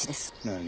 何！？